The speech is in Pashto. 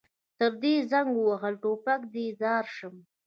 تر دې زنګ وهلي ټوپک دې ځار شم.